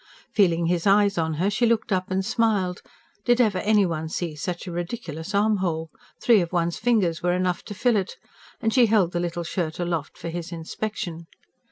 Feeling his eyes on her, she looked up and smiled: did ever anyone see such a ridiculous armhole? Three of one's fingers were enough to fill it and she held the little shirt aloft for his inspection.